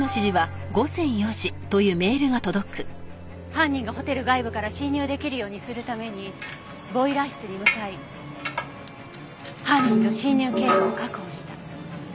犯人がホテル外部から侵入できるようにするためにボイラー室に向かい犯人の侵入経路を確保した。